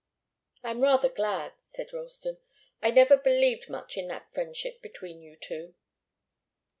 "I'm rather glad," said Ralston. "I never believed much in that friendship between you two."